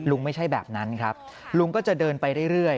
ไม่ใช่แบบนั้นครับลุงก็จะเดินไปเรื่อย